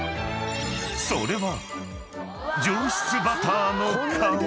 ［それは］